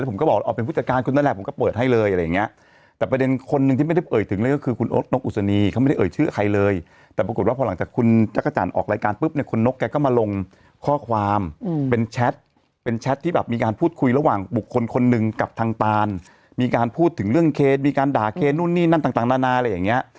แล้วผมก็บอกเอาเป็นผู้จัดการคนนั้นแหละผมก็เปิดให้เลยอะไรอย่างเงี้ย